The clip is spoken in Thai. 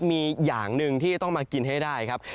มีอย่างหนึ่งที่ต้องมากินให้ได้ครับ